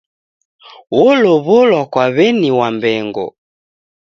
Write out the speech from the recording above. Olow'olwa kwa w'eni Wambengo.